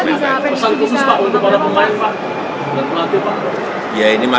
pesan khusus pak untuk para pemain pak